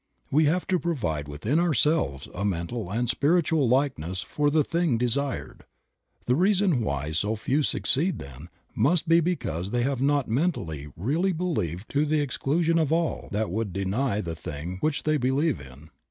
We have to provide within ourselves a mental and spiritual likeness for the thing desired. The reason why so few succeed, then, must be because they have not mentally really believed to the exclusion of all that would deny the thing which they believe in.